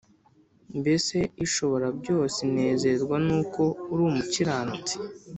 mbese ishoborabyose inezezwa n’uko uri umukiranutsi’